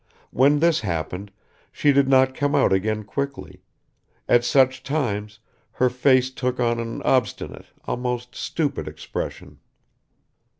When this happened, she did not come out again quickly; at such times her face took on an obstinate, almost stupid expression.